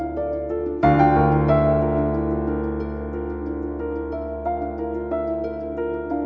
dan sudah bersaksi ke mama